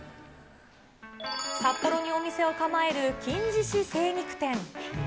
札幌にお店を構える金獅子精肉店。